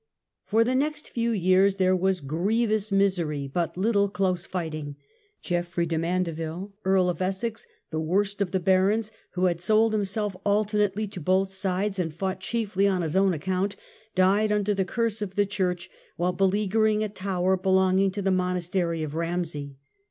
For the next few years there was grievous misery, but little close fighting. Geoffrey de Mandeville, Earl of Essex, the worst of the barons, who had sold himself alternately to both sides and fought chiefly on his own account, died under the curse of the church while belea guering a tower belonging to the monastery of Ramsey.